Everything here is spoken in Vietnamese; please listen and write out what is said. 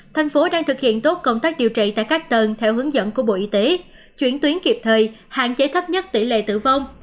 thành phố đang thực hiện tốt công tác điều trị tại các tầng theo hướng dẫn của bộ y tế chuyển tuyến kịp thời hạn chế thấp nhất tỷ lệ tử vong